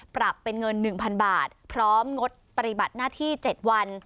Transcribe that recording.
ปรับเป็นเงิน๑๐๐๐บาทพร้อมงดปฏิบัติหน้าที่๗วัน